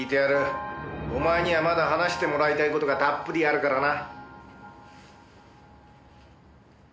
お前にはまだ話してもらいたい事がたっぷりあるからな。